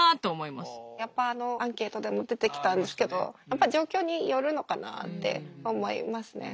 やっぱあのアンケートでも出てきたんですけどやっぱ状況によるのかなって思いますね。